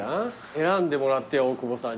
選んでもらって大久保さんに。